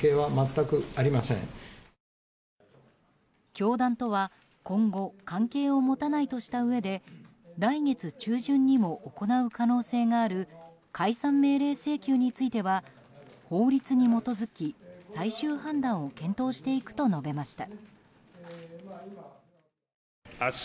教団とは今後関係を持たないとしたうえで来月中旬にも行う可能性がある解散命令請求については法律に基づき最終判断を検討していくと述べました。